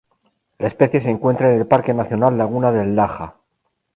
La especie se encuentra en el Parque Nacional Laguna del Laja.